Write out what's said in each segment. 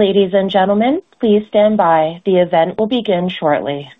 Ladies and gentlemen, please stand by. The event will begin shortly.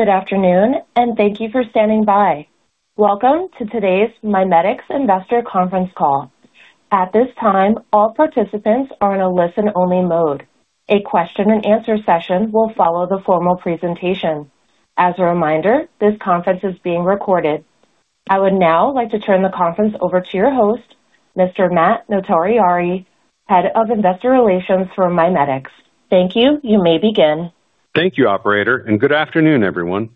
Good afternoon, and thank you for standing by. Welcome to today's MiMedx investor conference call. At this time, all participants are in a listen-only mode. A question and answer session will follow the formal presentation. As a reminder, this conference is being recorded. I would now like to turn the conference over to your host, Mr. Matt Notarianni, Head of Investor Relations for MiMedx. Thank you. You may begin. Thank you, operator, and good afternoon, everyone.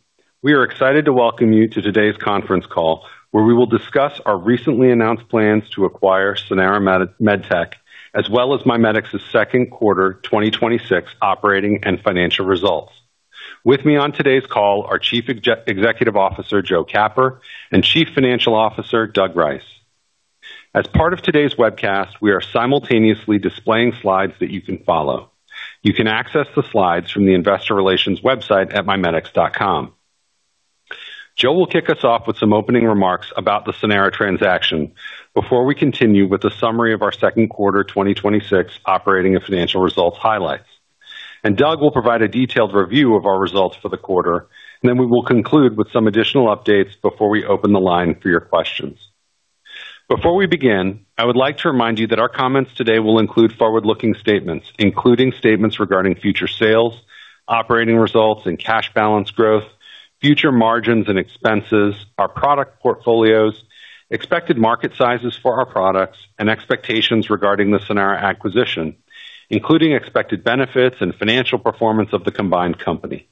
We are excited to welcome you to today's conference call, where we will discuss our recently announced plans to acquire Sanara MedTech, as well as MiMedx's second quarter 2026 operating and financial results. With me on today's call are Chief Executive Officer, Joe Capper, and Chief Financial Officer, Doug Rice. As part of today's webcast, we are simultaneously displaying slides that you can follow. You can access the slides from the investor relations website at mimedx.com. Joe will kick us off with some opening remarks about the Sanara transaction before we continue with a summary of our second quarter 2026 operating and financial results highlights. Doug will provide a detailed review of our results for the quarter, then we will conclude with some additional updates before we open the line for your questions. Before we begin, I would like to remind you that our comments today will include forward-looking statements, including statements regarding future sales, operating results and cash balance growth, future margins and expenses, our product portfolios, expected market sizes for our products, and expectations regarding the Sanara acquisition, including expected benefits and financial performance of the combined company.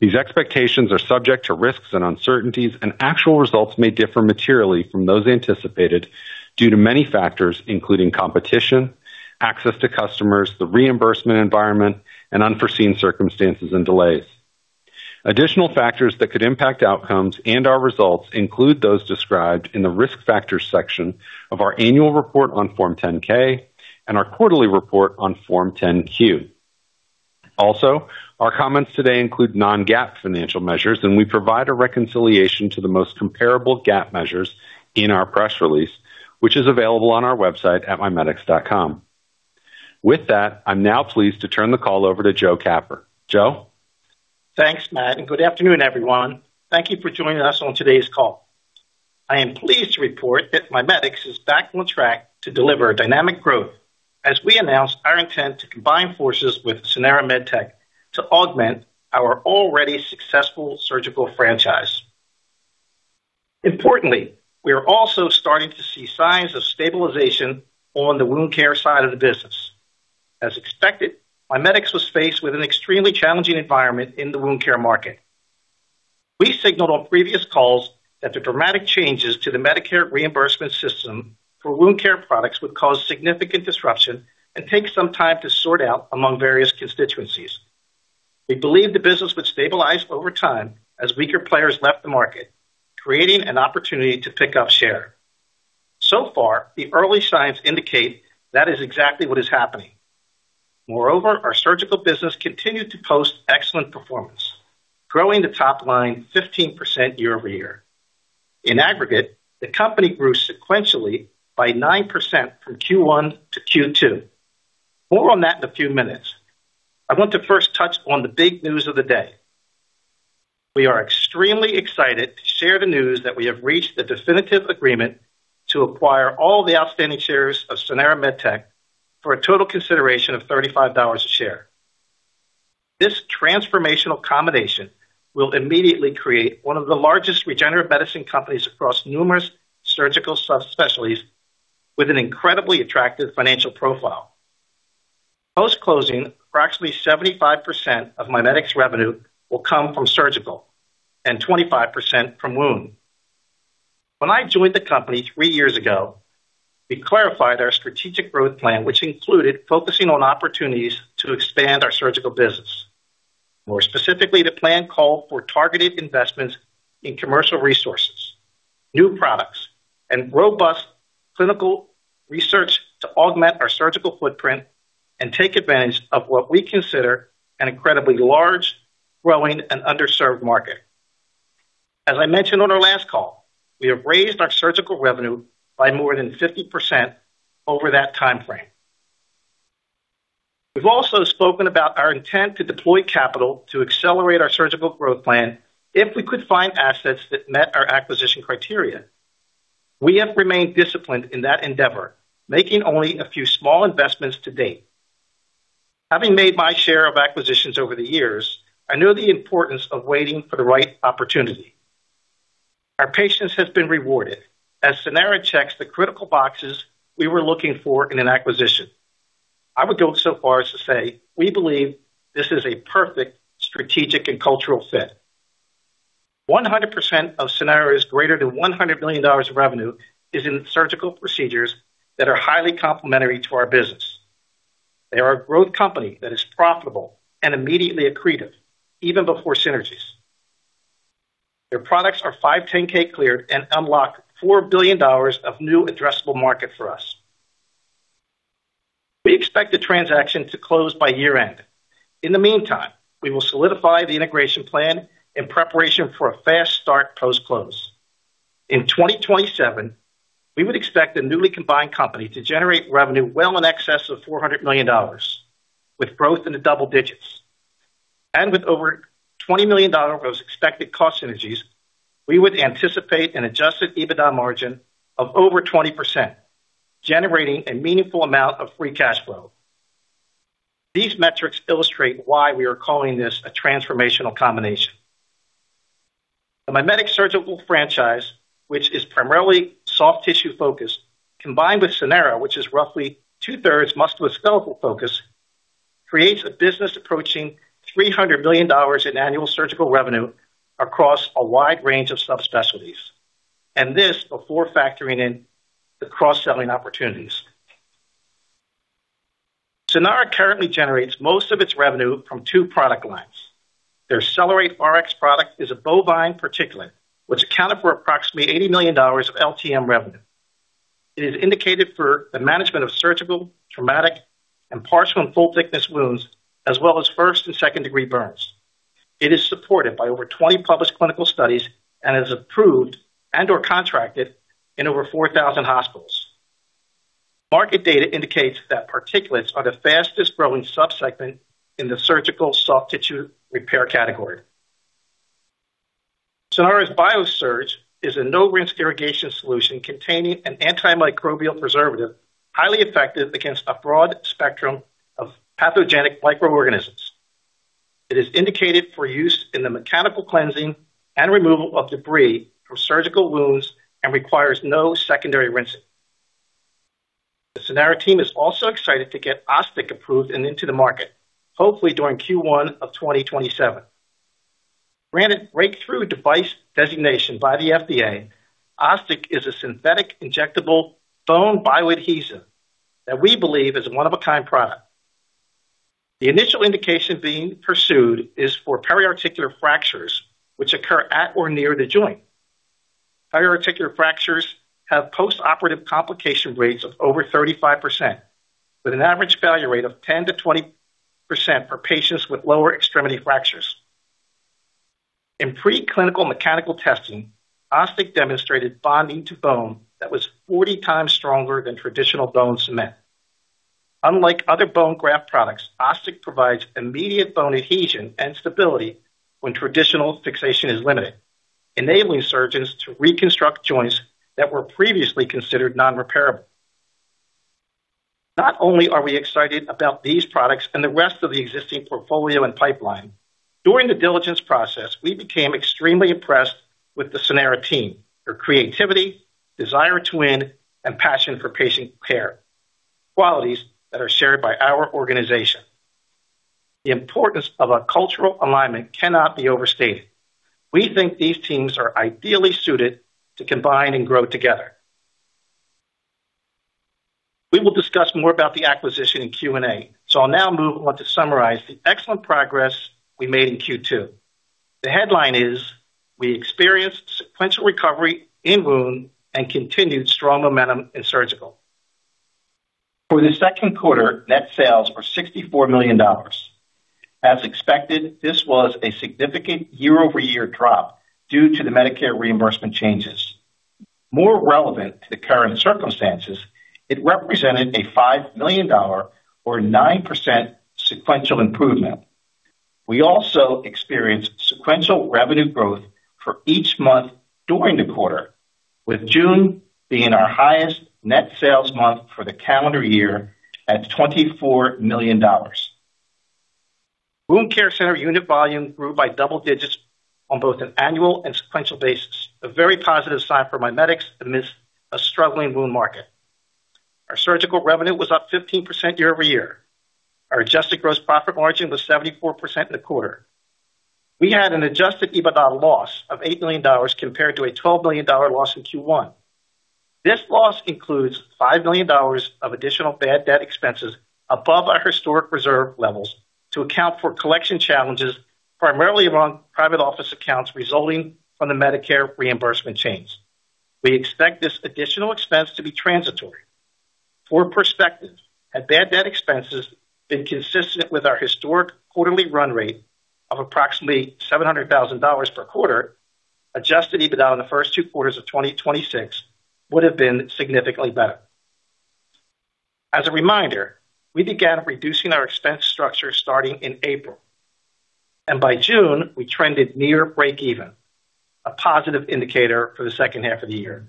These expectations are subject to risks and uncertainties, and actual results may differ materially from those anticipated due to many factors, including competition, access to customers, the reimbursement environment, and unforeseen circumstances and delays. Additional factors that could impact outcomes and our results include those described in the Risk Factors section of our annual report on Form 10-K and our quarterly report on Form 10-Q. Our comments today include non-GAAP financial measures, and we provide a reconciliation to the most comparable GAAP measures in our press release, which is available on our website at mimedx.com. With that, I'm now pleased to turn the call over to Joe Capper. Joe? Thanks, Matt, and good afternoon, everyone. Thank you for joining us on today's call. I am pleased to report that MiMedx is back on track to deliver dynamic growth as we announce our intent to combine forces with Sanara MedTech to augment our already successful surgical franchise. Importantly, we are also starting to see signs of stabilization on the wound care side of the business. As expected, MiMedx was faced with an extremely challenging environment in the wound care market. We signaled on previous calls that the dramatic changes to the Medicare reimbursement system for wound care products would cause significant disruption and take some time to sort out among various constituencies. We believed the business would stabilize over time as weaker players left the market, creating an opportunity to pick up share. So far, the early signs indicate that is exactly what is happening. Moreover, our surgical business continued to post excellent performance, growing the top line 15% year-over-year. In aggregate, the company grew sequentially by 9% from Q1 to Q2. More on that in a few minutes. I want to first touch on the big news of the day. We are extremely excited to share the news that we have reached the definitive agreement to acquire all the outstanding shares of Sanara MedTech for a total consideration of $35 a share. This transformational combination will immediately create one of the largest regenerative medicine companies across numerous surgical subspecialties with an incredibly attractive financial profile. Post-closing, approximately 75% of MiMedx revenue will come from surgical and 25% from wound. When I joined the company three years ago, we clarified our strategic growth plan, which included focusing on opportunities to expand our surgical business. More specifically, the plan called for targeted investments in commercial resources, new products, and robust clinical research to augment our surgical footprint and take advantage of what we consider an incredibly large, growing, and underserved market. As I mentioned on our last call, we have raised our surgical revenue by more than 50% over that timeframe. We've also spoken about our intent to deploy capital to accelerate our surgical growth plan if we could find assets that met our acquisition criteria. We have remained disciplined in that endeavor, making only a few small investments to date. Having made my share of acquisitions over the years, I know the importance of waiting for the right opportunity. Our patience has been rewarded, as Sanara checks the critical boxes we were looking for in an acquisition. I would go so far as to say we believe this is a perfect strategic and cultural fit. 100% of Sanara is greater than $100 million of revenue is in surgical procedures that are highly complementary to our business. They are a growth company that is profitable and immediately accretive even before synergies. Their products are 510(k) cleared and unlock $4 billion of new addressable market for us. We expect the transaction to close by year-end. In the meantime, we will solidify the integration plan in preparation for a fast start post-close. In 2027, we would expect the newly combined company to generate revenue well in excess of $400 million, with growth in the double digits. With over $20 million of those expected cost synergies, we would anticipate an adjusted EBITDA margin of over 20%, generating a meaningful amount of free cash flow. These metrics illustrate why we are calling this a transformational combination. The MiMedx surgical franchise, which is primarily soft tissue focused, combined with Sanara, which is roughly two-thirds musculoskeletal focus, creates a business approaching $300 million in annual surgical revenue across a wide range of subspecialties. This before factoring in the cross-selling opportunities. Sanara currently generates most of its revenue from two product lines. Their CellerateRX product is a bovine particulate, which accounted for approximately $80 million of LTM revenue. It is indicated for the management of surgical, traumatic, and partial and full-thickness wounds, as well as first and second-degree burns. It is supported by over 20 published clinical studies and is approved and/or contracted in over 4,000 hospitals. Market data indicates that particulates are the fastest-growing subsegment in the surgical soft tissue repair category. Sanara's BIASURGE is a no-rinse irrigation solution containing an antimicrobial preservative, highly effective against a broad spectrum of pathogenic microorganisms. It is indicated for use in the mechanical cleansing and removal of debris from surgical wounds and requires no secondary rinsing. The Sanara team is also excited to get OsStic approved and into the market, hopefully during Q1 of 2027. Granted breakthrough device designation by the FDA, OsStic is a synthetic injectable bone bioadhesive that we believe is a one-of-a-kind product. The initial indication being pursued is for periarticular fractures, which occur at or near the joint. Periarticular fractures have postoperative complication rates of over 35%, with an average failure rate of 10%-20% for patients with lower extremity fractures. In pre-clinical mechanical testing, OsStic demonstrated bonding to bone that was 40x stronger than traditional bone cement. Unlike other bone graft products, OsStic provides immediate bone adhesion and stability when traditional fixation is limited, enabling surgeons to reconstruct joints that were previously considered non-repairable. Not only are we excited about these products and the rest of the existing portfolio and pipeline, during the diligence process, we became extremely impressed with the Sanara team, their creativity, desire to win, and passion for patient care, qualities that are shared by our organization. The importance of a cultural alignment cannot be overstated. We think these teams are ideally suited to combine and grow together. We will discuss more about the acquisition in Q&A, so I'll now move on to summarize the excellent progress we made in Q2. The headline is we experienced sequential recovery in wound and continued strong momentum in surgical. For the second quarter, net sales were $64 million. As expected, this was a significant year-over-year drop due to the Medicare reimbursement changes. More relevant to the current circumstances, it represented a $5 million or 9% sequential improvement. We also experienced sequential revenue growth for each month during the quarter, with June being our highest net sales month for the calendar year at $24 million. Wound care center unit volume grew by double digits on both an annual and sequential basis. A very positive sign for MiMedx amidst a struggling wound market. Our surgical revenue was up 15% year-over-year. Our adjusted gross profit margin was 74% in the quarter. We had an adjusted EBITDA loss of $8 million compared to a $12 million loss in Q1. This loss includes $5 million of additional bad debt expenses above our historic reserve levels to account for collection challenges, primarily among private office accounts resulting from the Medicare reimbursement change. We expect this additional expense to be transitory. For perspective, had bad debt expenses been consistent with our historic quarterly run rate of approximately $700,000 per quarter, adjusted EBITDA in the first two quarters of 2026 would have been significantly better. As a reminder, we began reducing our expense structure starting in April, and by June, we trended near breakeven, a positive indicator for the second half of the year.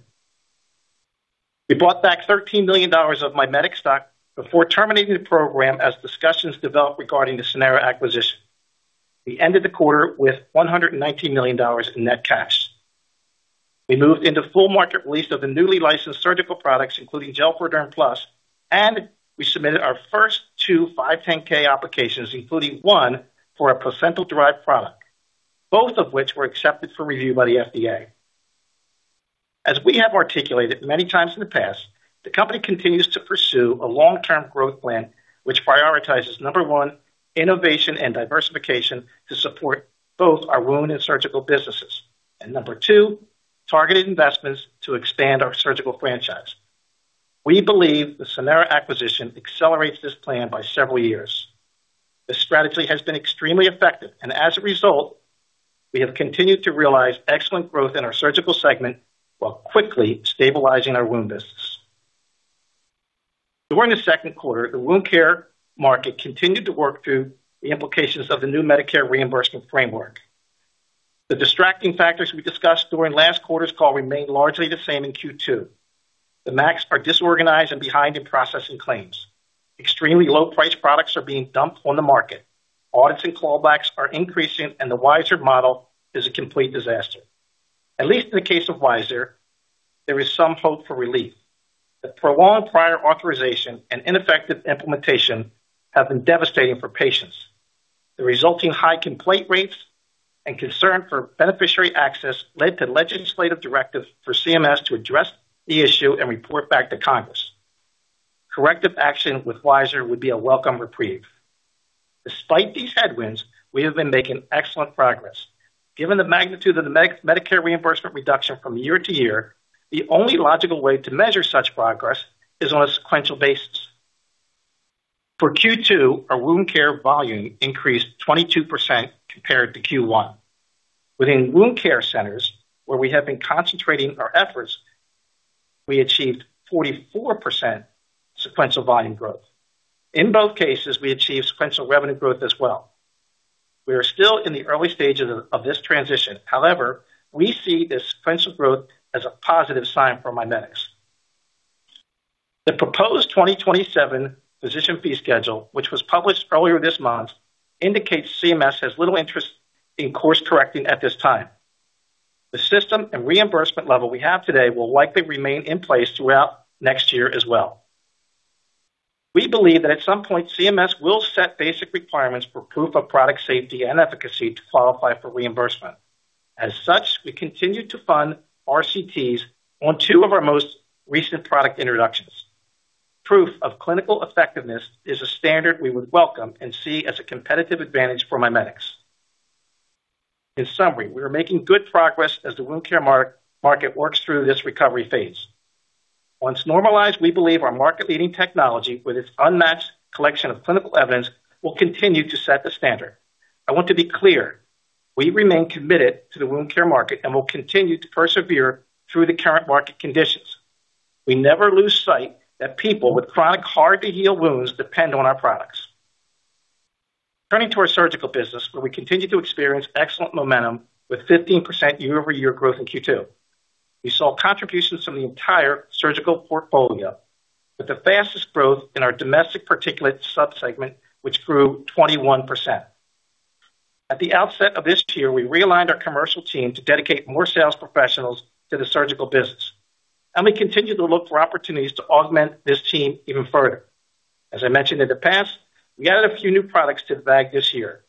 We bought back $13 million of MiMedx stock before terminating the program as discussions developed regarding the Sanara acquisition. We ended the quarter with $119 million in net cash. We moved into full market release of the newly licensed surgical products, including G4Derm Plus, and we submitted our first two 510(k) applications, including one for a placental-derived product, both of which were accepted for review by the FDA. As we have articulated many times in the past, the company continues to pursue a long-term growth plan which prioritizes, number one, innovation and diversification to support both our wound and surgical businesses, and number two, targeted investments to expand our surgical franchise. We believe the Sanara acquisition accelerates this plan by several years. This strategy has been extremely effective, and as a result, we have continued to realize excellent growth in our surgical segment while quickly stabilizing our wound business. During the second quarter, the wound care market continued to work through the implications of the new Medicare reimbursement framework. The distracting factors we discussed during last quarter's call remained largely the same in Q2. The MACs are disorganized and behind in processing claims. Extremely low-priced products are being dumped on the market. Audits and clawbacks are increasing, and the WISeR Model is a complete disaster. At least in the case of WISeR, there is some hope for relief. The prolonged prior authorization and ineffective implementation have been devastating for patients. The resulting high complaint rates and concern for beneficiary access led to legislative directives for CMS to address the issue and report back to Congress. Corrective action with WISeR would be a welcome reprieve. Despite these headwinds, we have been making excellent progress. Given the magnitude of the Medicare reimbursement reduction from year-to-year, the only logical way to measure such progress is on a sequential basis. For Q2, our wound care volume increased 22% compared to Q1. Within wound care centers, where we have been concentrating our efforts, we achieved 44% sequential volume growth. In both cases, we achieved sequential revenue growth as well. We are still in the early stages of this transition. However, we see this sequential growth as a positive sign for MiMedx. The proposed 2027 physician fee schedule, which was published earlier this month, indicates CMS has little interest in course-correcting at this time. The system and reimbursement level we have today will likely remain in place throughout next year as well. We believe that at some point, CMS will set basic requirements for proof of product safety and efficacy to qualify for reimbursement. As such, we continue to fund RCTs on two of our most recent product introductions. Proof of clinical effectiveness is a standard we would welcome and see as a competitive advantage for MiMedx. In summary, we are making good progress as the wound care market works through this recovery phase. Once normalized, we believe our market-leading technology with its unmatched collection of clinical evidence will continue to set the standard. I want to be clear, we remain committed to the wound care market and will continue to persevere through the current market conditions. We never lose sight that people with chronic hard-to-heal wounds depend on our products. Turning to our surgical business, where we continue to experience excellent momentum with 15% year-over-year growth in Q2. We saw contributions from the entire surgical portfolio, with the fastest growth in our domestic particulate sub-segment, which grew 21%. At the outset of this year, we realigned our commercial team to dedicate more sales professionals to the surgical business. We continue to look for opportunities to augment this team even further. As I mentioned in the past, we added a few new products to the bag this year.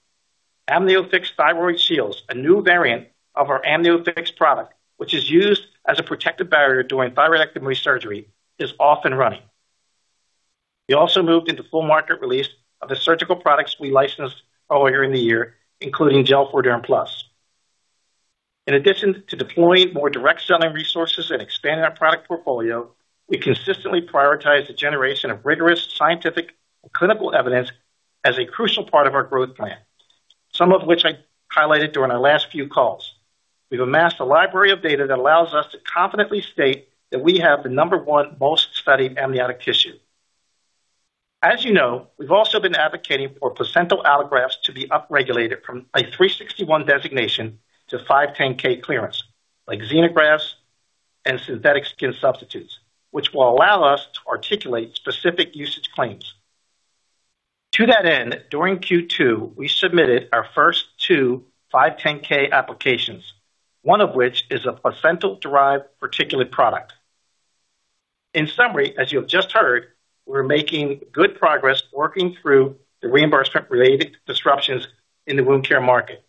AMNIOFIX Thyroid Shields, a new variant of our AMNIOFIX product, which is used as a protective barrier during thyroidectomy surgery, is off and running. We also moved into full market release of the surgical products we licensed earlier in the year, including G4Derm Plus. In addition to deploying more direct selling resources and expanding our product portfolio, we consistently prioritize the generation of rigorous scientific and clinical evidence as a crucial part of our growth plan. Some of which I highlighted during our last few calls. We've amassed a library of data that allows us to confidently state that we have the number one most studied amniotic tissue. As you know, we've also been advocating for placental allografts to be upregulated from a 361 designation to 510(k) clearance, like xenografts and synthetic skin substitutes, which will allow us to articulate specific usage claims. To that end, during Q2, we submitted our first two 510(k) applications, one of which is a placental-derived particulate product. In summary, as you have just heard, we're making good progress working through the reimbursement-related disruptions in the wound care market.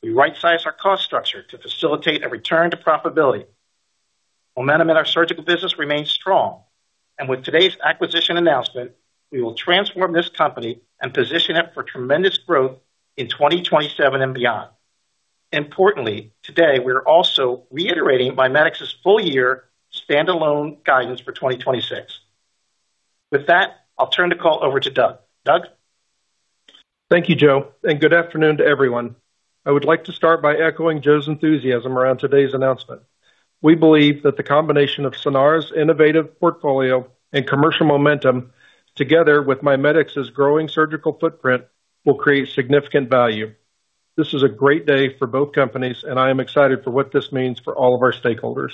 We right-sized our cost structure to facilitate a return to profitability. Momentum in our surgical business remains strong. With today's acquisition announcement, we will transform this company and position it for tremendous growth in 2027 and beyond. Importantly, today, we're also reiterating MiMedx's full-year standalone guidance for 2026. With that, I'll turn the call over to Doug. Doug? Thank you, Joe, and good afternoon to everyone. I would like to start by echoing Joe's enthusiasm around today's announcement. We believe that the combination of Sanara's innovative portfolio and commercial momentum, together with MiMedx's growing surgical footprint, will create significant value. This is a great day for both companies, I am excited for what this means for all of our stakeholders.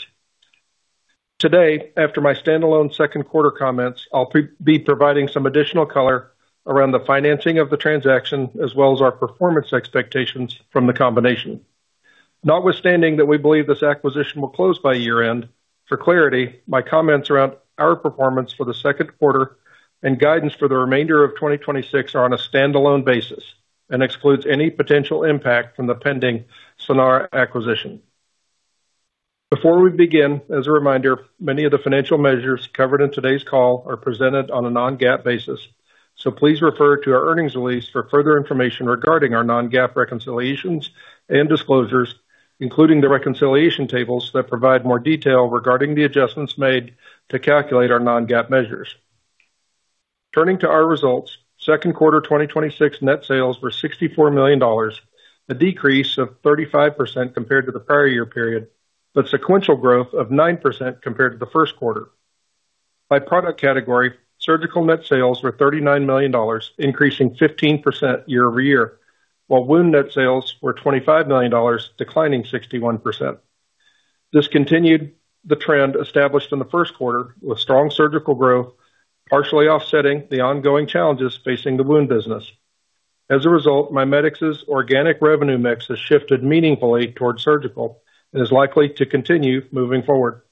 Today, after my standalone second quarter comments, I'll be providing some additional color around the financing of the transaction, as well as our performance expectations from the combination. Notwithstanding that we believe this acquisition will close by year-end, for clarity, my comments around our performance for the second quarter and guidance for the remainder of 2026 are on a standalone basis and excludes any potential impact from the pending Sanara acquisition. Before we begin, as a reminder, many of the financial measures covered in today's call are presented on a non-GAAP basis. So please refer to our earnings release for further information regarding our non-GAAP reconciliations and disclosures, including the reconciliation tables that provide more detail regarding the adjustments made to calculate our non-GAAP measures. Turning to our results, second quarter 2026 net sales were $64 million, a decrease of 35% compared to the prior year period. Sequential growth of 9% compared to the first quarter. By product category, surgical net sales were $39 million, increasing 15% year-over-year, while wound net sales were $25 million, declining 61%. This continued the trend established in the first quarter, with strong surgical growth partially offsetting the ongoing challenges facing the wound business. As a result, MiMedx's organic revenue mix has shifted meaningfully towards surgical and is likely to continue moving forward.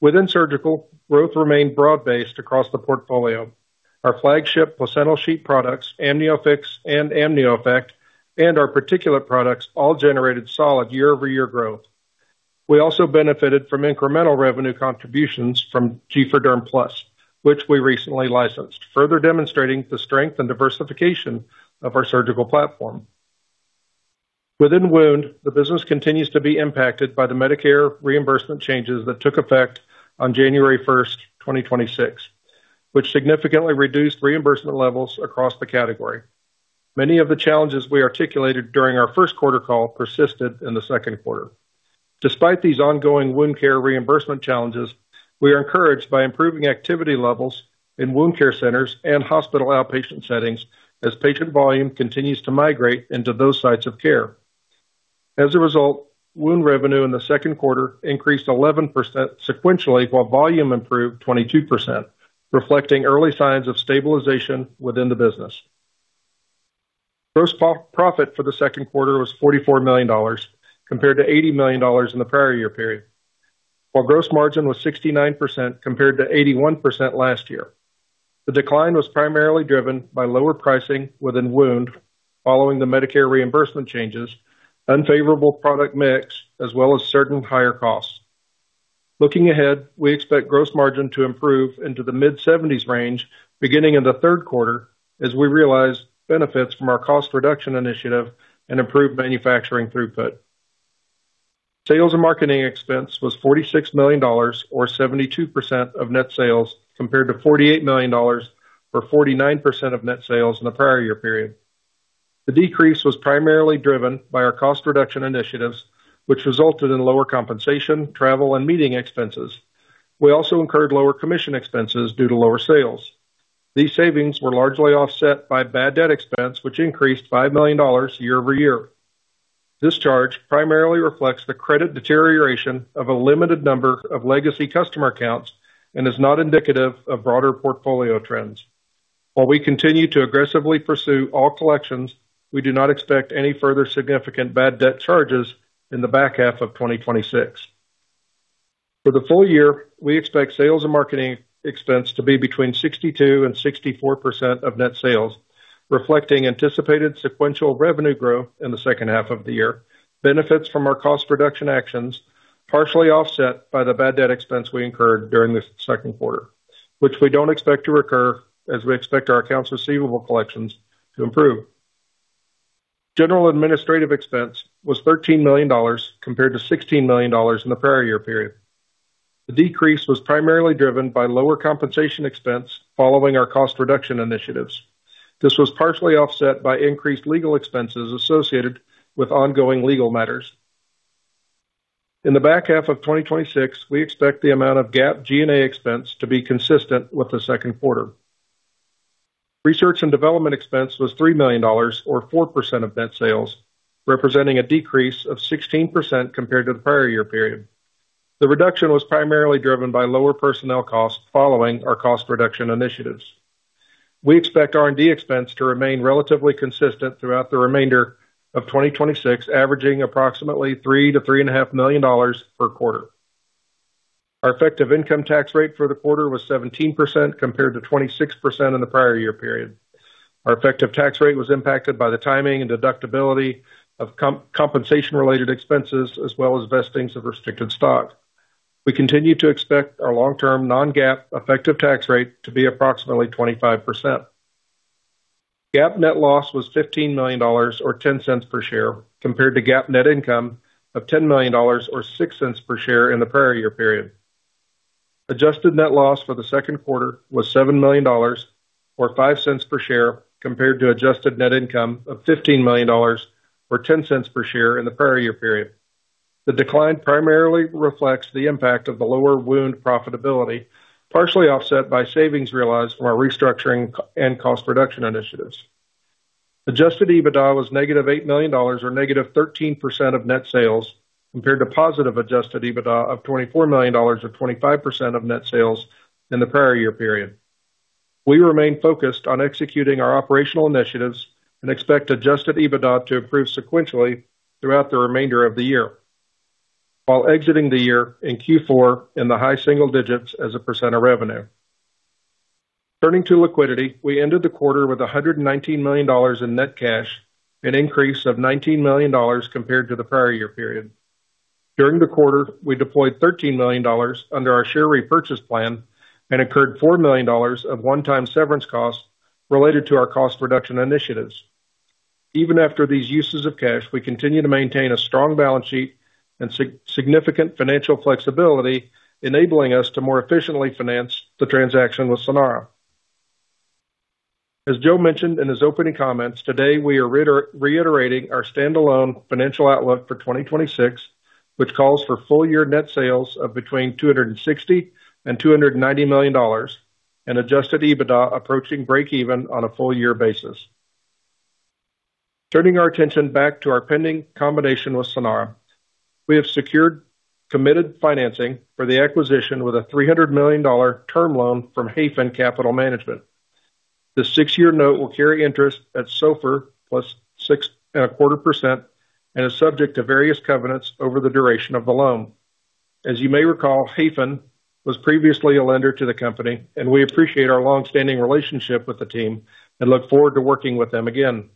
Within surgical, growth remained broad-based across the portfolio. Our flagship placental sheet products, AMNIOFIX and AMNIOEFFECT, and our particulate products all generated solid year-over-year growth. We also benefited from incremental revenue contributions from G4Derm Plus, which we recently licensed, further demonstrating the strength and diversification of our surgical platform. Within wound, the business continues to be impacted by the Medicare reimbursement changes that took effect on January 1st, 2026, which significantly reduced reimbursement levels across the category. Many of the challenges we articulated during our first quarter call persisted in the second quarter. Despite these ongoing wound care reimbursement challenges, we are encouraged by improving activity levels in wound care centers and hospital outpatient settings as patient volume continues to migrate into those sites of care. As a result, wound revenue in the second quarter increased 11% sequentially, while volume improved 22%, reflecting early signs of stabilization within the business. Gross profit for the second quarter was $44 million, compared to $80 million in the prior year period, while gross margin was 69% compared to 81% last year. The decline was primarily driven by lower pricing within wound following the Medicare reimbursement changes, unfavorable product mix, as well as certain higher costs. Looking ahead, we expect gross margin to improve into the mid-70s range beginning in the third quarter as we realize benefits from our cost reduction initiative and improved manufacturing throughput. Sales and marketing expense was $46 million, or 72% of net sales, compared to $48 million or 49% of net sales in the prior year period. The decrease was primarily driven by our cost reduction initiatives, which resulted in lower compensation, travel, and meeting expenses. We also incurred lower commission expenses due to lower sales. These savings were largely offset by bad debt expense, which increased $5 million year-over-year. This charge primarily reflects the credit deterioration of a limited number of legacy customer accounts and is not indicative of broader portfolio trends. While we continue to aggressively pursue all collections, we do not expect any further significant bad debt charges in the back half of 2026. For the full year, we expect sales and marketing expense to be between 62% and 64% of net sales, reflecting anticipated sequential revenue growth in the second half of the year, benefits from our cost reduction actions, partially offset by the bad debt expense we incurred during the second quarter, which we don't expect to recur as we expect our accounts receivable collections to improve. General and administrative expense was $13 million compared to $16 million in the prior year period. The decrease was primarily driven by lower compensation expense following our cost reduction initiatives. This was partially offset by increased legal expenses associated with ongoing legal matters. In the back half of 2026, we expect the amount of GAAP G&A expense to be consistent with the second quarter. Research and development expense was $3 million or 4% of net sales, representing a decrease of 16% compared to the prior year period. The reduction was primarily driven by lower personnel costs following our cost reduction initiatives. We expect R&D expense to remain relatively consistent throughout the remainder of 2026, averaging approximately $3 million-$3.5 million per quarter. Our effective income tax rate for the quarter was 17%, compared to 26% in the prior year period. Our effective tax rate was impacted by the timing and deductibility of compensation-related expenses, as well as vestings of restricted stock. We continue to expect our long-term non-GAAP effective tax rate to be approximately 25%. GAAP net loss was $15 million or $0.10 per share compared to GAAP net income of $10 million or $0.06 per share in the prior year period. Adjusted net loss for the second quarter was $7 million or $0.05 per share compared to adjusted net income of $15 million or $0.10 per share in the prior year period. The decline primarily reflects the impact of the lower wound profitability, partially offset by savings realized from our restructuring and cost reduction initiatives. Adjusted EBITDA was -$8 million or -13% of net sales compared to positive adjusted EBITDA of $24 million or 25% of net sales in the prior year period. We remain focused on executing our operational initiatives and expect adjusted EBITDA to improve sequentially throughout the remainder of the year while exiting the year in Q4 in the high single digits as a percent of revenue. Turning to liquidity, we ended the quarter with $119 million in net cash, an increase of $19 million compared to the prior year period. During the quarter, we deployed $13 million under our share repurchase plan and incurred $4 million of one-time severance costs related to our cost reduction initiatives. Even after these uses of cash, we continue to maintain a strong balance sheet and significant financial flexibility, enabling us to more efficiently finance the transaction with Sanara. As Joe mentioned in his opening comments, today we are reiterating our standalone financial outlook for 2026, which calls for full year net sales of between $260 million and $290 million and adjusted EBITDA approaching breakeven on a full year basis. Turning our attention back to our pending combination with Sanara, we have secured committed financing for the acquisition with a $300 million term loan from Hayfin Capital Management. The six-year note will carry interest at SOFR plus 6.25%, and is subject to various covenants over the duration of the loan. As you may recall, Hayfin was previously a lender to the company, and we appreciate our longstanding relationship with the team and look forward to working with them again.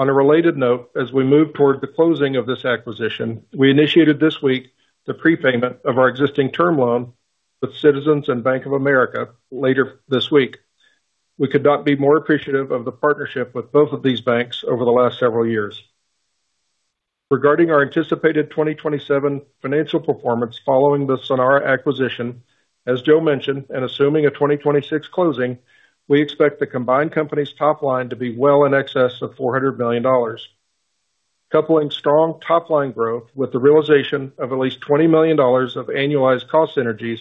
On a related note, as we move toward the closing of this acquisition, we initiated this week the prepayment of our existing term loan with Citizens and Bank of America later this week. We could not be more appreciative of the partnership with both of these banks over the last several years. Regarding our anticipated 2027 financial performance following the Sanara acquisition, as Joe mentioned and assuming a 2026 closing, we expect the combined company's top line to be well in excess of $400 million. Coupling strong top-line growth with the realization of at least $20 million of annualized cost synergies,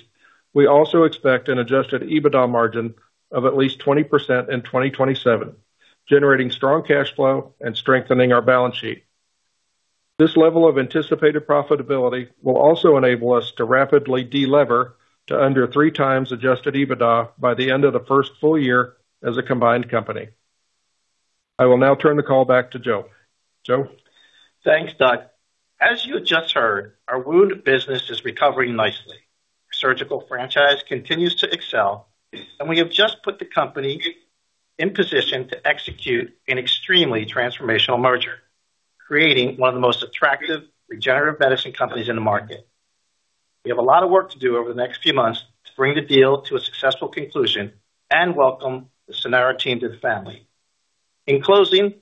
we also expect an adjusted EBITDA margin of at least 20% in 2027, generating strong cash flow and strengthening our balance sheet. This level of anticipated profitability will also enable us to rapidly de-lever to under 3x adjusted EBITDA by the end of the first full year as a combined company. I will now turn the call back to Joe. Joe? Thanks, Doug. As you just heard, our wound business is recovering nicely. Surgical franchise continues to excel, we have just put the company in position to execute an extremely transformational merger, creating one of the most attractive regenerative medicine companies in the market. We have a lot of work to do over the next few months to bring the deal to a successful conclusion and welcome the Sanara team to the family. In closing,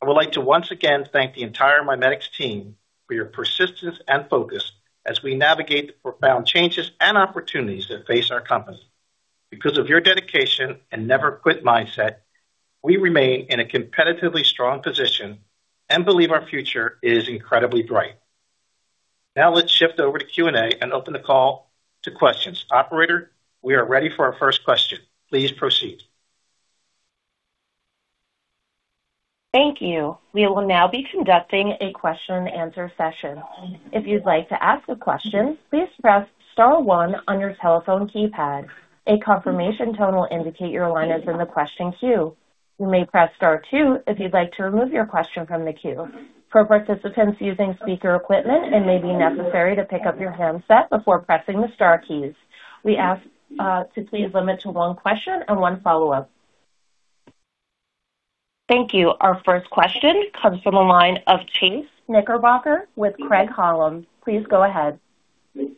I would like to once again thank the entire MiMedx team for your persistence and focus as we navigate the profound changes and opportunities that face our company. Because of your dedication and never quit mindset, we remain in a competitively strong position and believe our future is incredibly bright. Let's shift over to Q&A and open the call to questions. Operator, we are ready for our first question. Please proceed. Thank you. We will now be conducting a question and answer session. If you'd like to ask a question, please press star one on your telephone keypad. A confirmation tone will indicate your line is in the question queue. You may press star two if you'd like to remove your question from the queue. For participants using speaker equipment, it may be necessary to pick up your handset before pressing the star keys. We ask to please limit to one question and one follow-up. Thank you. Our first question comes from the line of Chase Knickerbocker with Craig-Hallum. Please go ahead. Good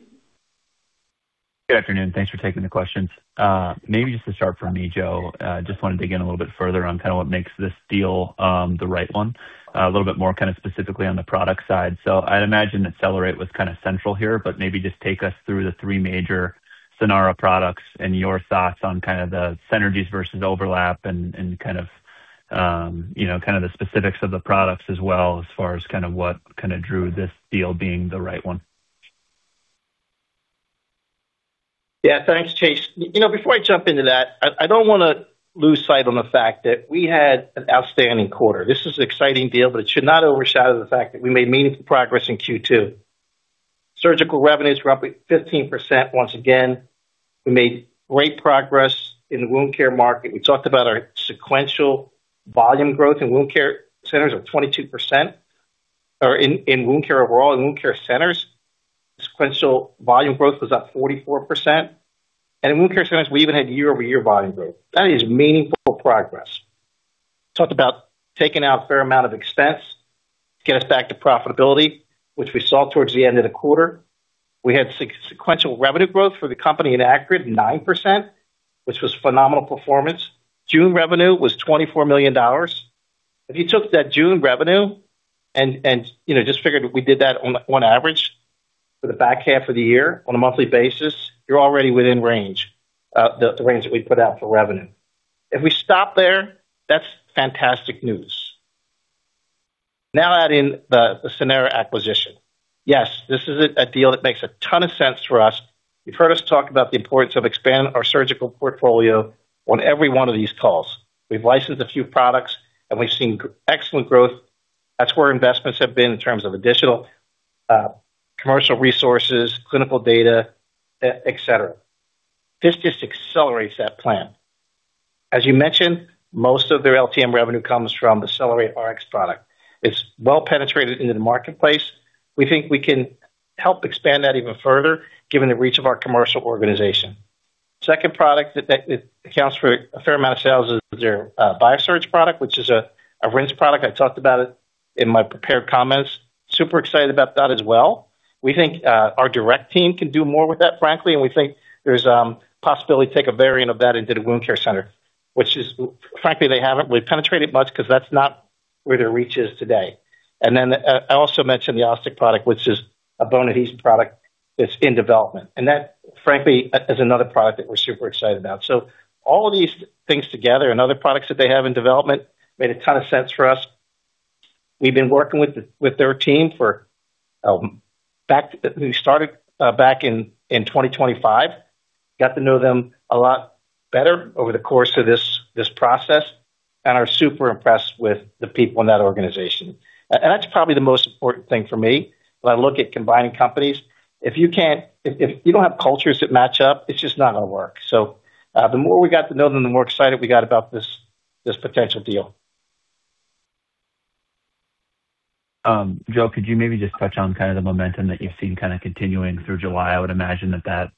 afternoon. Thanks for taking the questions. Maybe just to start for me, Joe, just want to dig in a little bit further on kind of what makes this deal the right one. A little bit more kind of specifically on the product side. I'd imagine CellerateRX was kind of central here, but maybe just take us through the three major Sanara products and your thoughts on kind of the synergies versus overlap and kind of the specifics of the products as well as far as what kind of drew this deal being the right one. Yeah. Thanks, Chase. Before I jump into that, I don't want to lose sight on the fact that we had an outstanding quarter. This is an exciting deal, but it should not overshadow the fact that we made meaningful progress in Q2. Surgical revenues were up at 15% once again. We made great progress in the wound care market. We talked about our sequential volume growth in wound care of 22%, or in wound care overall. In wound care centers, sequential volume growth was up 44%. In wound care centers, we even had year-over-year volume growth. That is meaningful progress. Talked about taking out a fair amount of expense to get us back to profitability, which we saw towards the end of the quarter. We had sequential revenue growth for the company in Acryd 9%, which was phenomenal performance. June revenue was $24 million. If you took that June revenue and just figured we did that on average for the back half of the year on a monthly basis, you're already within range, the range that we put out for revenue. If we stop there, that's fantastic news. Now add in the Sanara acquisition. Yes, this is a deal that makes a ton of sense for us. You've heard us talk about the importance of expanding our surgical portfolio on every one of these calls. We've licensed a few products, we've seen excellent growth. That's where investments have been in terms of additional commercial resources, clinical data, et cetera. This just accelerates that plan. As you mentioned, most of their LTM revenue comes from CellerateRX product. It's well penetrated into the marketplace. We think we can help expand that even further given the reach of our commercial organization. Second product that accounts for a fair amount of sales is their BIASURGE product, which is a rinse product. I talked about it in my prepared comments. Super excited about that as well. We think our direct team can do more with that, frankly, and we think there's possibility to take a variant of that into the wound care center, which is, frankly, they haven't really penetrated much because that's not where their reach is today. Then I also mentioned the OsStic product, which is a bone adhesion product that's in development. That, frankly, is another product that we're super excited about. All of these things together and other products that they have in development made a ton of sense for us. We've been working with their team. We started back in 2025. We got to know them a lot better over the course of this process and are super impressed with the people in that organization. That's probably the most important thing for me when I look at combining companies. If you don't have cultures that match up, it's just not going to work. The more we got to know them, the more excited we got about this potential deal. Joe, could you maybe just touch on kind of the momentum that you've seen kind of continuing through July? I would imagine that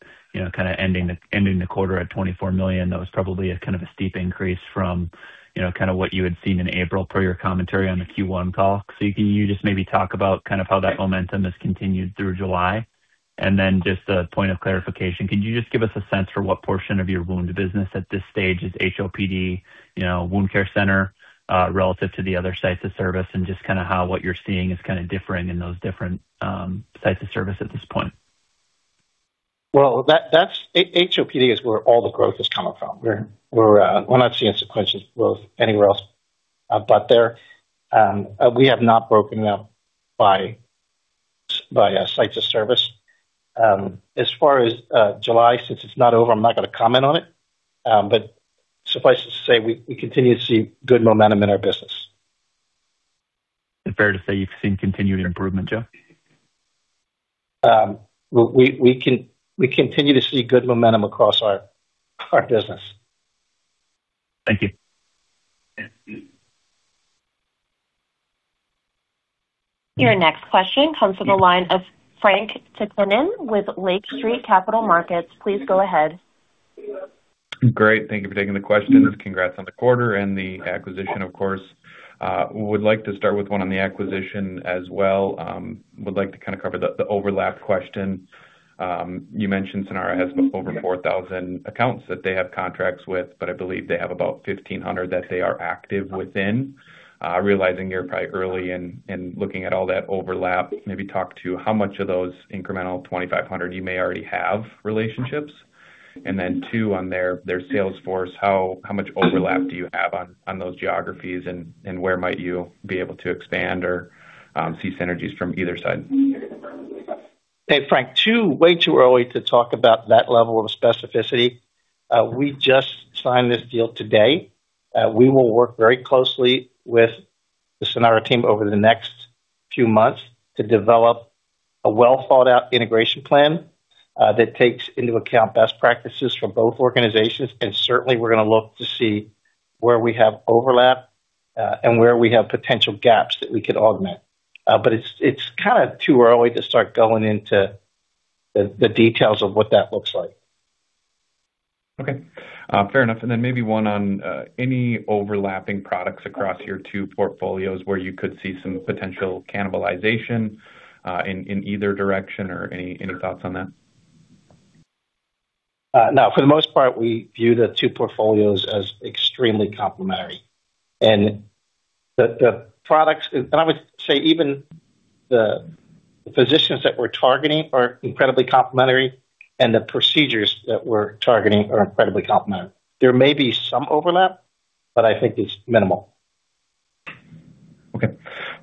kind of ending the quarter at $24 million, that was probably a kind of a steep increase from kind of what you had seen in April per your commentary on the Q1 call. Can you just maybe talk about kind of how that momentum has continued through July? Just a point of clarification, could you just give us a sense for what portion of your wound business at this stage is HOPD wound care center relative to the other sites of service, and just kind of how what you're seeing is kind of differing in those different sites of service at this point? Well, HOPD is where all the growth is coming from. We're not seeing sequential growth anywhere else but there. We have not broken them by sites of service. As far as July, since it's not over, I'm not going to comment on it. Suffice it to say, we continue to see good momentum in our business. Is it fair to say you've seen continued improvement, Joe? We continue to see good momentum across our business. Thank you. Thank you. Your next question comes from the line of Frank Takkinen with Lake Street Capital Markets. Please go ahead. Great. Thank you for taking the questions. Congrats on the quarter and the acquisition, of course. Would like to start with one on the acquisition as well. Would like to kind of cover the overlap question. You mentioned Sanara has over 4,000 accounts that they have contracts with, but I believe they have about 1,500 that they are active within. Realizing you're probably early in looking at all that overlap, maybe talk to how much of those incremental 2,500 you may already have relationships. Then two, on their sales force, how much overlap do you have on those geographies, and where might you be able to expand or see synergies from either side? Hey, Frank. Way too early to talk about that level of specificity. We just signed this deal today. We will work very closely with the Sanara team over the next few months to develop a well-thought-out integration plan that takes into account best practices from both organizations. Certainly, we're going to look to see where we have overlap and where we have potential gaps that we could augment. It's kind of too early to start going into the details of what that looks like. Okay. Fair enough. Then maybe one on any overlapping products across your two portfolios where you could see some potential cannibalization in either direction or any thoughts on that? No. For the most part, we view the two portfolios as extremely complementary. The products I would say even the physicians that we're targeting are incredibly complementary, and the procedures that we're targeting are incredibly complementary. There may be some overlap, but I think it's minimal. Okay,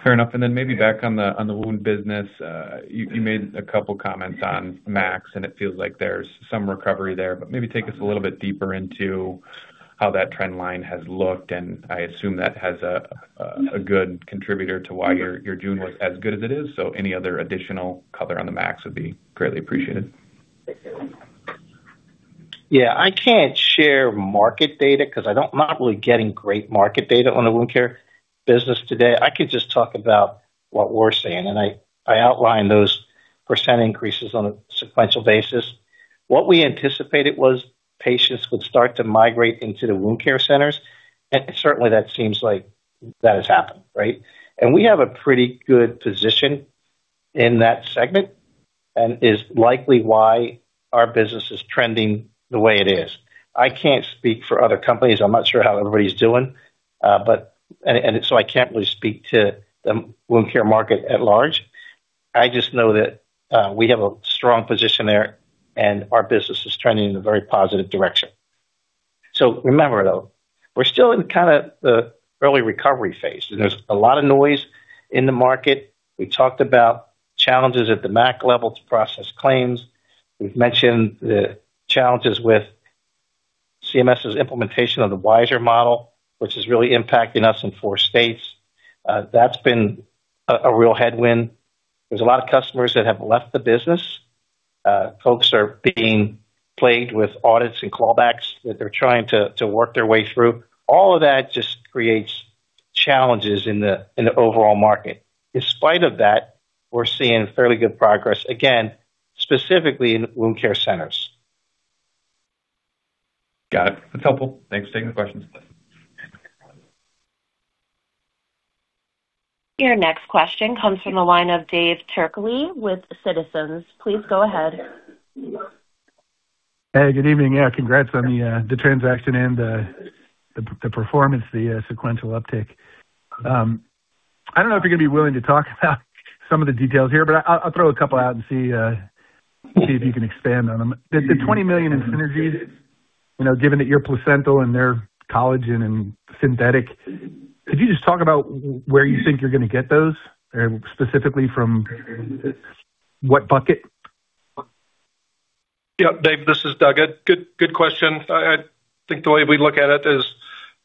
fair enough. Then maybe back on the wound business. You made a couple comments on MACs, and it feels like there's some recovery there, but maybe take us a little bit deeper into how that trend line has looked, and I assume that was a good contributor to why your June was as good as it is. Any other additional color on the MACs would be greatly appreciated. Yeah, I can't share market data because I'm not really getting great market data on the wound care business today. I could just talk about what we're seeing, and I outlined those percent increases on a sequential basis. What we anticipated was patients would start to migrate into the wound care centers, and certainly that seems like that has happened, right? We have a pretty good position in that segment and is likely why our business is trending the way it is. I can't speak for other companies. I'm not sure how everybody's doing. I can't really speak to the wound care market at large. I just know that we have a strong position there, and our business is trending in a very positive direction. Remember, though, we're still in kind of the early recovery phase, and there's a lot of noise in the market. We talked about challenges at the MAC level to process claims. We've mentioned the challenges with CMS's implementation of the WISeR Model, which is really impacting us in four states. That's been a real headwind. There's a lot of customers that have left the business. Folks are being plagued with audits and callbacks that they're trying to work their way through. All of that just creates challenges in the overall market. In spite of that, we're seeing fairly good progress, again, specifically in wound care centers. Got it. That's helpful. Thanks for taking the questions. Your next question comes from the line of Dave Turkaly with Citizens. Please go ahead. Hey, good evening. Yeah, congrats on the transaction and the performance, the sequential uptick. I don't know if you're going to be willing to talk about some of the details here, but I'll throw a couple out and see if you can expand on them. The $20 million in synergies, given that you're placental and they're collagen and synthetic, could you just talk about where you think you're going to get those, specifically from what bucket? Yeah. Dave, this is Doug. Good question. I think the way we look at it is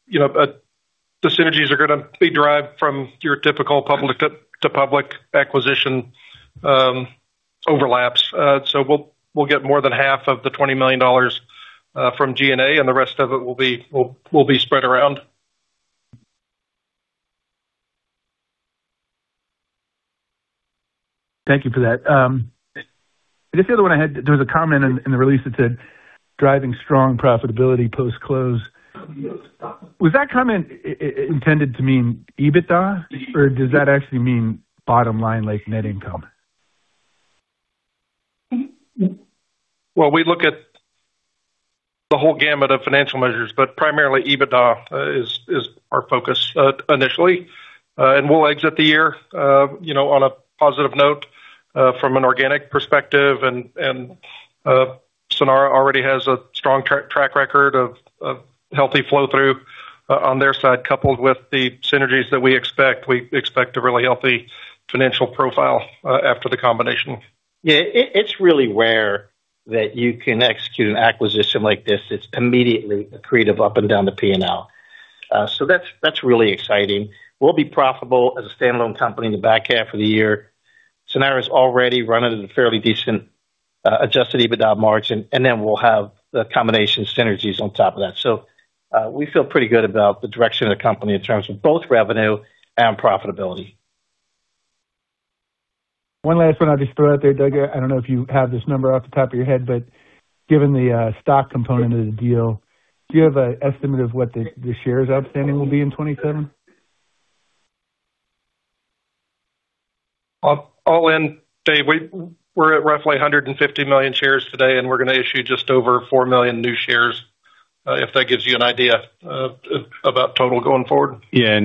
the synergies are going to be derived from your typical public-to-public acquisition overlaps. We'll get more than half of the $20 million from G&A, and the rest of it will be spread around. Thank you for that. I guess the other one I had, there was a comment in the release that said, "Driving strong profitability post-close." Was that comment intended to mean EBITDA, or does that actually mean bottom line, like net income? Well, we look at the whole gamut of financial measures, but primarily EBITDA is our focus initially. We'll exit the year on a positive note from an organic perspective, and Sanara already has a strong track record of healthy flow-through on their side, coupled with the synergies that we expect. We expect a really healthy financial profile after the combination. Yeah, it's really rare that you can execute an acquisition like this. It's immediately accretive up and down the P&L. That's really exciting. We'll be profitable as a standalone company in the back half of the year. Sanara's already running a fairly decent adjusted EBITDA margin, then we'll have the combination synergies on top of that. We feel pretty good about the direction of the company in terms of both revenue and profitability. One last one. I'll just throw it out there, Doug. I don't know if you have this number off the top of your head, given the stock component of the deal, do you have an estimate of what the shares outstanding will be in 2027? All in, Dave, we're at roughly 150 million shares today, we're going to issue just over 4 million new shares, if that gives you an idea about total going forward. Yeah.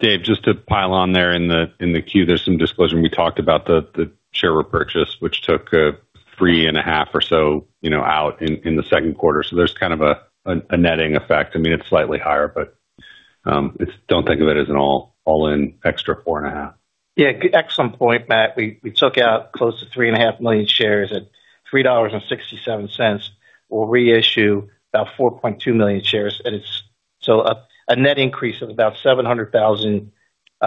Dave, just to pile on there, in the quarter, there's some disclosure. We talked about the share repurchase, which took 3.5 million or so out in the second quarter. There's kind of a netting effect. I mean, it's slightly higher, don't think of it as an all-in extra 4.5 million. Yeah. Excellent point, Matt. We took out close to 3.5 million shares at $3.67. We'll reissue about 4.2 million shares. A net increase of about 700,000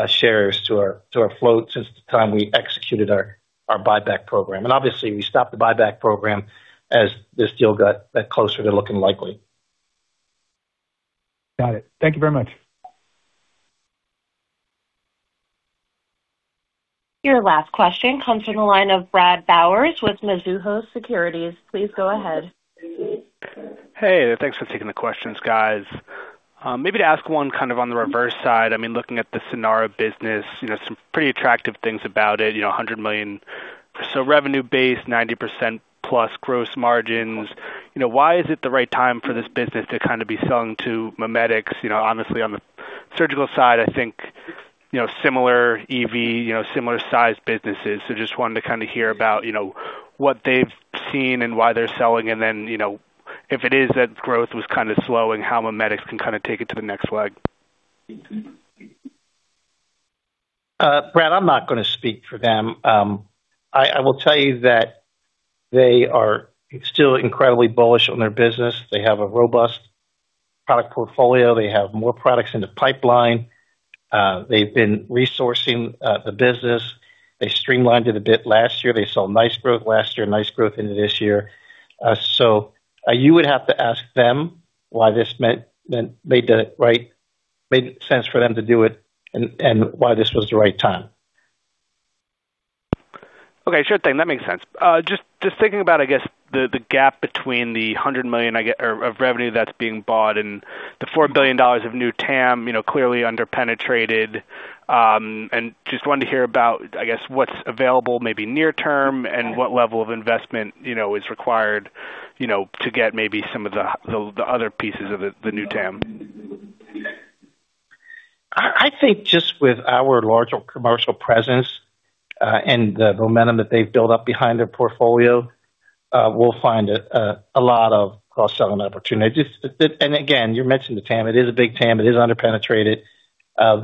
shares to our float since the time we executed our buyback program. Obviously, we stopped the buyback program as this deal got closer to looking likely. Got it. Thank you very much. Your last question comes from the line of Brad Bowers with Mizuho Securities. Please go ahead. Hey there. Thanks for taking the questions, guys. Maybe to ask one kind of on the reverse side. I mean, looking at the Sanara business, some pretty attractive things about it. $100 million or so revenue base, 90%+ gross margins. Why is it the right time for this business to kind of be selling to MiMedx? Honestly, on the surgical side, I think similar EV, similar size businesses. Just wanted to kind of hear about what they've seen and why they're selling, and then If it is that growth was kind of slowing, how MiMedx can kind of take it to the next leg. Brad, I'm not going to speak for them. I will tell you that they are still incredibly bullish on their business. They have a robust product portfolio. They have more products in the pipeline. They've been resourcing the business. They streamlined it a bit last year. They saw nice growth last year, nice growth into this year. You would have to ask them why this made sense for them to do it and why this was the right time. Okay, sure thing. That makes sense. Just thinking about, I guess, the gap between the $100 million of revenue that's being bought and the $4 billion of new TAM, clearly under-penetrated. Just wanted to hear about, I guess, what's available maybe near term and what level of investment is required to get maybe some of the other pieces of the new TAM. I think just with our larger commercial presence, and the momentum that they've built up behind their portfolio, we'll find a lot of cross-selling opportunities. Again, you mentioned the TAM. It is a big TAM. It is under-penetrated.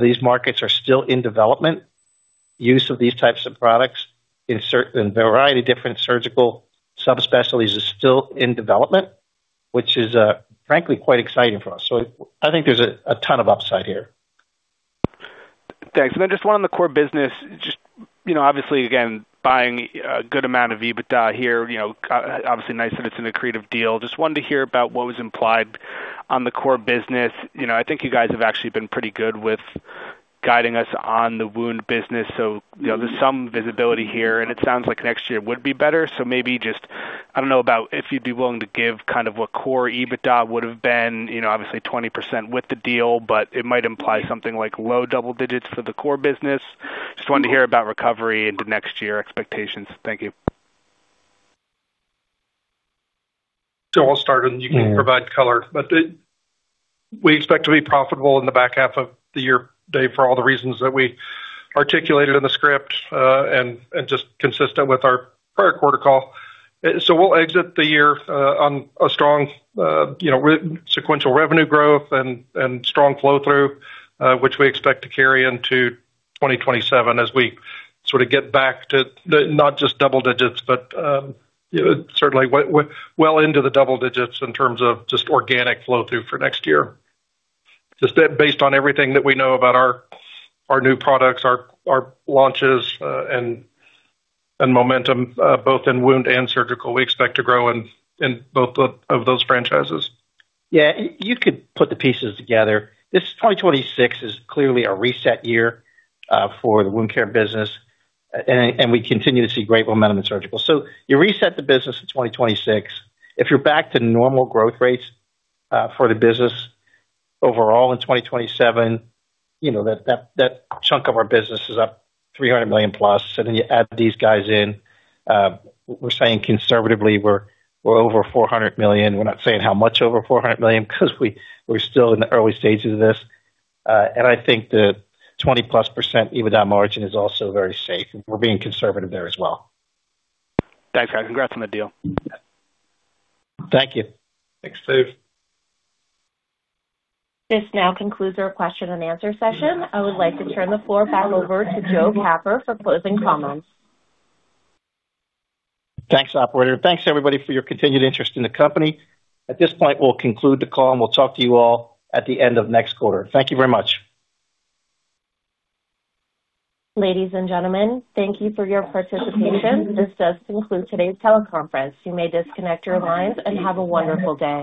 These markets are still in development. Use of these types of products in a variety of different surgical subspecialties is still in development, which is frankly quite exciting for us. I think there's a ton of upside here. Thanks. Just one on the core business. Just obviously, again, buying a good amount of EBITDA here, obviously nice that it's an accretive deal. Just wanted to hear about what was implied on the core business. I think you guys have actually been pretty good with guiding us on the wound business. There's some visibility here, and it sounds like next year would be better. Maybe just, I don't know about if you'd be willing to give kind of what core EBITDA would've been, obviously 20% with the deal, but it might imply something like low double digits for the core business. Just wanted to hear about recovery into next year expectations. Thank you. I'll start and you can provide color. We expect to be profitable in the back half of the year, Dave, for all the reasons that we articulated in the script, and just consistent with our prior quarter call. We'll exit the year on a strong sequential revenue growth and strong flow-through, which we expect to carry into 2027 as we sort of get back to not just double digits, but certainly well into the double digits in terms of just organic flow-through for next year. Based on everything that we know about our new products, our launches, and momentum, both in wound and surgical, we expect to grow in both of those franchises. You could put the pieces together. This 2026 is clearly a reset year for the wound care business, and we continue to see great momentum in surgical. You reset the business in 2026. If you're back to normal growth rates for the business overall in 2027, that chunk of our business is up $300+ million, and then you add these guys in. We're saying conservatively, we're over $400 million. We're not saying how much over $400 million because we're still in the early stages of this. I think the 20%+ EBITDA margin is also very safe, and we're being conservative there as well. Thanks, guys. Congrats on the deal. Thank you. Thanks, Dave. This now concludes our question and answer session. I would like to turn the floor back over to Joe Capper for closing comments. Thanks, operator. Thanks, everybody, for your continued interest in the company. At this point, we'll conclude the call, and we'll talk to you all at the end of next quarter. Thank you very much. Ladies and gentlemen, thank you for your participation. This does conclude today's teleconference. You may disconnect your lines and have a wonderful day.